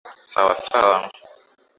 Sawa sawa.